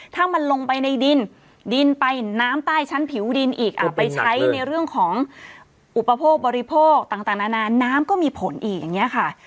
ถ้ามันลงไปในดินดินไปน้ำใต้ชั้นผิวดินอีกไปใช้ในเรื่องของอุปโภคบริโภคต่างนานาน้ำก็มีผลอีกอย่างนี้ค่ะ